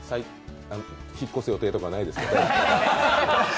引っ越す予定とかないですか？